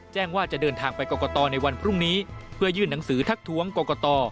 แจ้งว่าจะเดินทางไปกรกตในวันพรุ่งนี้เพื่อยื่นหนังสือทักท้วงกรกต